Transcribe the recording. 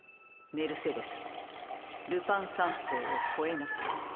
メルセデスルパン三世を超えなさい」。